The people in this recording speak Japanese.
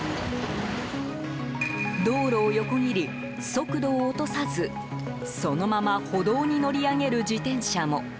道路を横切り、速度を落とさずそのまま歩道に乗り上げる自転車も。